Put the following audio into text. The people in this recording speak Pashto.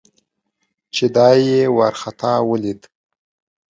چې دای یې ورخطا ولید.